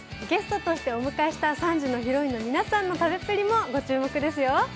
ゲストとしてお迎えした３時のヒロインの皆さんの食べっぷりにもご注目ですよ。